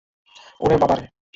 ওরে বাবা রে।